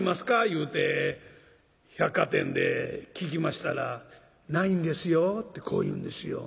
言うて百貨店で聞きましたら「ないんですよ」ってこう言うんですよ。